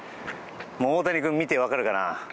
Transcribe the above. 大谷君、見て分かるかな？